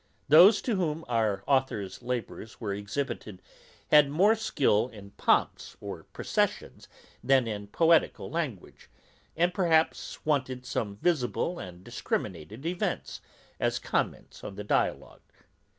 Those to whom our authour's labours were exhibited had more skill in pomps or processions than in poetical language, and perhaps wanted some visible and discriminated events, as comments on the dialogue.